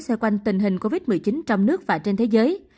xoay quanh tình hình covid một mươi chín trong nước và trên thế giới